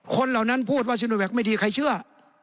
เหล่านั้นพูดว่าซิโนแวคไม่ดีใครเชื่อ